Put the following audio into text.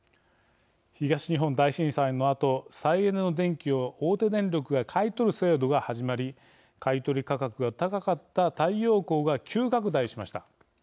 東日本大震災のあと再エネの電気を大手電力が買い取る制度が始まり買い取り価格が高かった太陽光が急拡大しました。